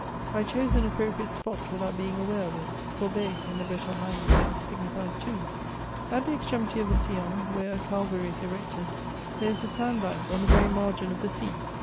I chose an appropriate spot without being aware of it, for bi, in the Breton language, signifies tomb. At the extremity of the Sillon, where a Calvary is erected, there is a saud bank on the vei^ maipn of the sea.